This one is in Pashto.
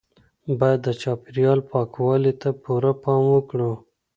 باید د چاپیریال پاکوالي ته پوره پام وکړو.